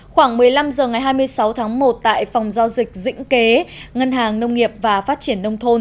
khoảng một mươi năm h ngày hai mươi sáu tháng một tại phòng giao dịch dĩnh kế ngân hàng nông nghiệp và phát triển nông thôn